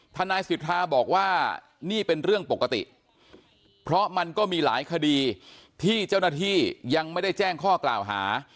ทนายสิทธาบอกว่านี่เป็นเรื่องปกติเพราะมันก็มีหลายคดีที่เจ้าหน้าที่ยังไม่ได้แจ้งข้อกล่าวหา